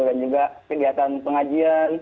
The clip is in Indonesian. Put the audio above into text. dan juga kegiatan pengajian